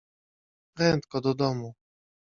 Prędko do domu!